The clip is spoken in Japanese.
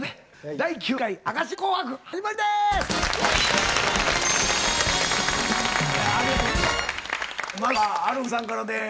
「第９回明石家紅白」始まりです！